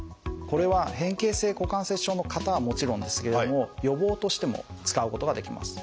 これは変形性股関節症の方はもちろんですけれども予防としても使うことができます。